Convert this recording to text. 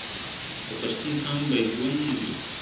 دپښتون قام به ژوندی وي `